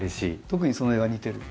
特にその絵は似てる。